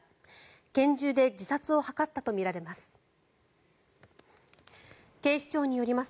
拳銃で自殺を図ったとみられます。